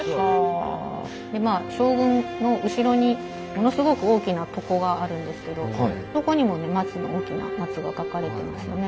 まあ将軍の後ろにものすごく大きな床があるんですけどあそこにも大きな松が描かれてますね。